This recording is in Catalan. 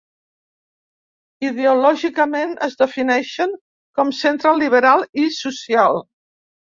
Ideològicament es defineixen com centre liberal i social.